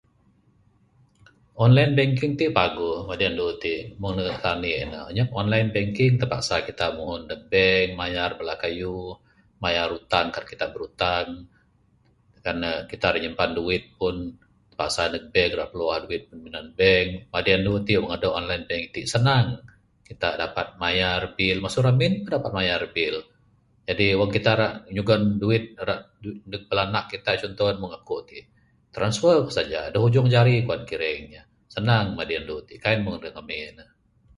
Online banking ti' paguh madi andu ti'. Mung da sani' ne, anyap online banking. Terpaksa kitak muhun ndug bank mayar bala kayuh, mayar utang kan kitak berutang. Kan ne kitak ira nyimpan duit pun, terpaksa ndug bank ra' piluah duit minan bank. Madi andu ti' wang aduh online banking, iti' senang. Kitak dapat mayar bil, masu ramin pun dapat mayar bil. Jadi wang kitak rak nyugon duit rak ndug bala nak kitak, conto ne mung akuk ti', transfer kuk saja. Da hujung jari kuwan kiren. Senang madi andu ti'. Kai ne mung da ngamin ne.